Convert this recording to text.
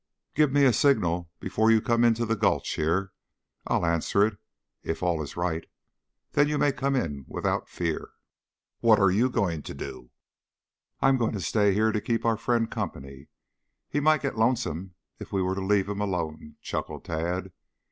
"Give me a signal before you come into the gulch here. I'll answer it if all is right. Then you may come in without fear." "What are you going to do?" "I am going to stay here to keep our friend company. He might get lonesome if we were to leave him alone," chuckled Tad.